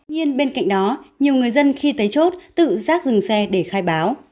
nhưng bên cạnh đó nhiều người dân khi tới chốt tự rác dừng xe để khai báo